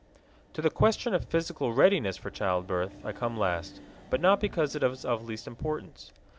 To the question of physical readiness for childbirth I come last, but not because it is of least importance.